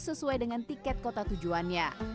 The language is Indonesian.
sesuai dengan tiket kota tujuannya